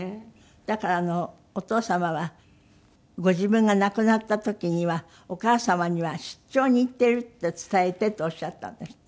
だからお父様はご自分が亡くなった時にはお母様には出張に行ってるって伝えてとおっしゃったんですって？